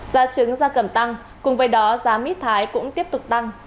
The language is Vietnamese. giá trứng da cầm tăng cùng với đó giá mít thái cũng tiếp tục tăng